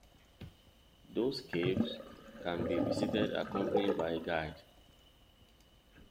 Those caves can be visited accompanied by a guide.